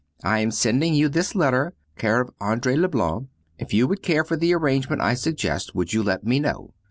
I am sending you this letter care of Andrée Leblanc; if you would care for the arrangement I suggest, would you let me know?